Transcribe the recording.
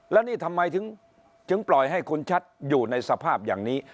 แล้วนี่ทำไมถึงปล่อยให้คุณชัดอยู่ในสภาพอย่างนี้